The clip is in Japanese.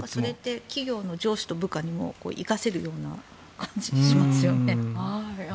企業の上司と部下にも生かせる感じがしますよね。